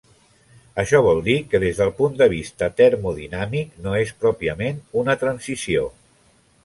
Això vol dir que des del punt de vista termodinàmic, no és pròpiament una transició.